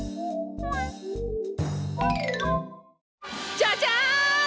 ジャジャン！